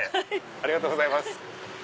ありがとうございます。